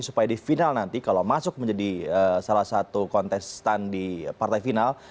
supaya di final nanti kalau masuk menjadi salah satu kontestan di partai final